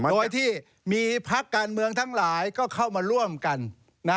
โดยที่มีพักการเมืองทั้งหลายก็เข้ามาร่วมกัน